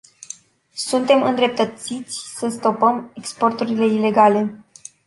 Suntem îndreptățiți să stopăm exporturile ilegale.